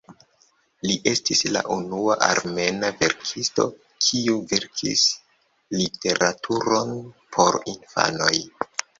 Li estis la unua armena verkisto kiu verkis literaturon por infanoj.